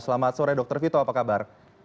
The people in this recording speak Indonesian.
selamat sore dr vito apa kabar